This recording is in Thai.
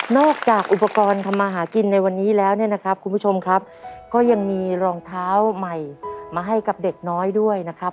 จากอุปกรณ์ทำมาหากินในวันนี้แล้วเนี่ยนะครับคุณผู้ชมครับก็ยังมีรองเท้าใหม่มาให้กับเด็กน้อยด้วยนะครับ